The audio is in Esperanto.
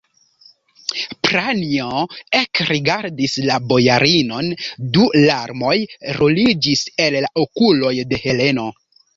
Pranjo ekrigardis la bojarinon: du larmoj ruliĝis el la okuloj de Heleno.